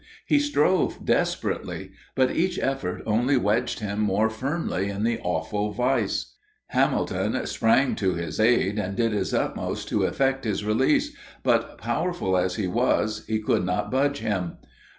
He strove desperately, but each effort only wedged him more firmly in the awful vise. Hamilton sprang to his aid and did his utmost to effect his release; but, powerful as he was, he could not budge him.